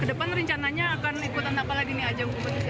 kedepan rencananya akan ikutan apalagi ini aja